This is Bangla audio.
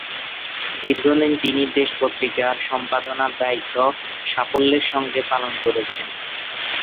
দীর্ঘদিন তিনি দেশ পত্রিকার সম্পাদনার দায়িত্ব সাফল্যের সঙ্গে পালন করেছেন।